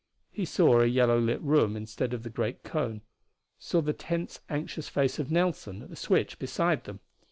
He saw a yellow lit room instead of the great cone saw the tense, anxious face of Nelson at the switch beside them.